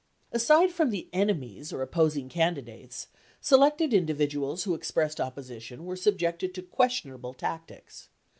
Aside from the enemies or opposing candidates, selected individuals who expressed opposition were subjected to questionable tactics.